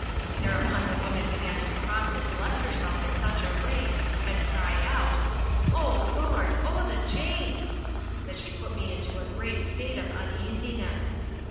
Thereupon the woman began to cross and bless herself at such a rate, and to cry out, "O, Lord! O, the jade!" that she put me into a great state of uneasiness.